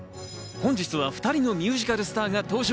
本日は２人のミュージカルスターが登場。